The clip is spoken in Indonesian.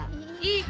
ih apaan sih